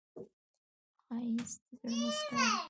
ښایست د زړه موسکا ده